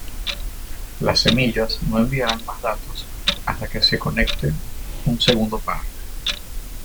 Las semillas no enviarán más datos hasta que se conecte un segundo par.